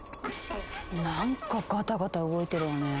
なんかガタガタ動いてるわね。